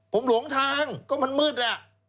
ผมหลงทางก็มันมืด